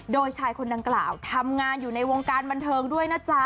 โดยชายคนดังกล่าวทำงานอยู่ในวงการบันเทิงด้วยนะจ๊ะ